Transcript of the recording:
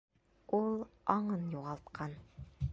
Ул аңын юғалтҡан.